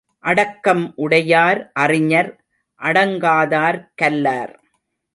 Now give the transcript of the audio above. அடக்கம் உடையார் அறிஞர் அடங்காதார் கல்லார்.